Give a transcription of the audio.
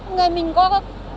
người mình có cái trách nhiệm